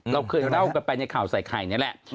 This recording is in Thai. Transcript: เราเคยเล่ากันไปในข่าวใส่ไข่นี่แหละ